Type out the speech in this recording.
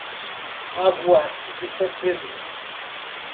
Águas de São Pedro